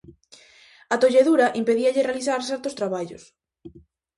A tolledura impedíalle realizar certos traballos.